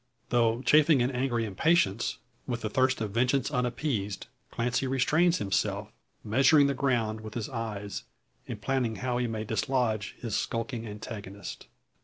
Though chafing in angry impatience, with the thirst of vengeance unappeased, Clancy restrains himself, measuring the ground with his eyes, and planning how he may dislodge his skulking antagonist.